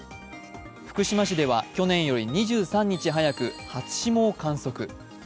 福島市では去年より２３日早く初霜を観測。